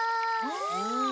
うん！